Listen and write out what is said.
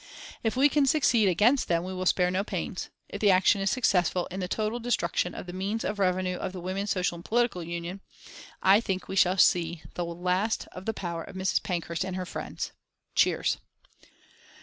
"If we can succeed against them we will spare no pains. If the action is successful in the total destruction of the means of revenue of the Women's Social and Political Union I think we shall see the last of the power of Mrs. Pankhurst and her friends." (Cheers.)